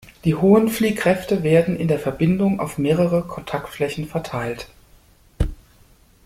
Die hohen Fliehkräfte werden in der Verbindung auf mehrere Kontaktflächen verteilt.